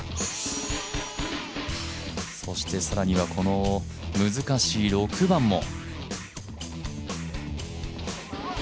そして更には、この難しい６番も。